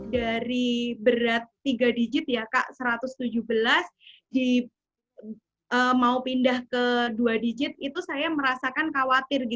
dari berat tiga digit ya kak satu ratus tujuh belas mau pindah ke dua digit itu saya merasakan khawatir